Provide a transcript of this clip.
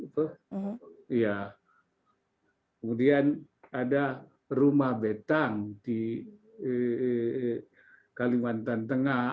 kemudian ada rumah betang di kalimantan tengah